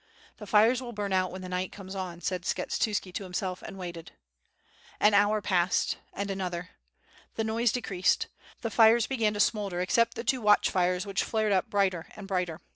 "The fires will burn out when the night comes on," said Skshetuski to himself, and waited. An hour passed, and another. The noise decreased. The fires began to smoulder, except the two watch fires which flared up brighter and brighter.